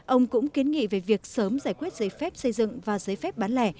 ông cũng kiến nghị về việc sớm giải quyết giấy phép xây dựng và giấy phép bán lẻ